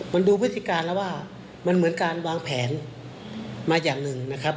มันดูพฤติการแล้วว่ามันเหมือนการวางแผนมาอย่างหนึ่งนะครับ